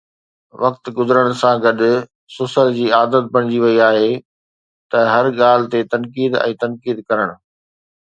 وقت گذرڻ سان گڏ سسر جي عادت بڻجي وئي آهي ته هر ڳالهه تي تنقيد ۽ تنقيد ڪرڻ.